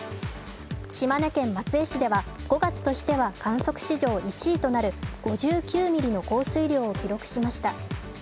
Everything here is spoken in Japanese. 島根県松江市では５月としては観測史上１位となる５９ミリの降水量を記録しました。